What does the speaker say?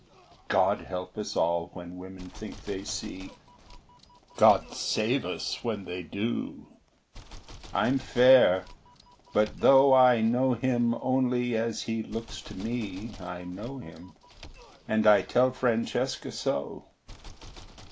God help us all when women think they see; God save us when they do. I'm fair; but though I know him only as he looks to me, I know him, and I tell Francesca so.